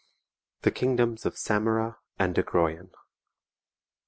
The Kingdoms of Samara and Dagroian.